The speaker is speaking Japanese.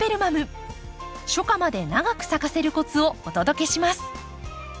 初夏まで長く咲かせるコツをお届けします。